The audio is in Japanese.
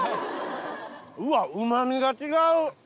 うわっうま味が違う。